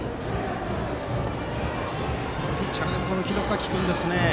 ピッチャーの廣崎君ですね。